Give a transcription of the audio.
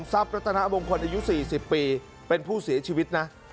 รัฐนามงคลอายุ๔๐ปีเป็นผู้เสียชีวิตนะ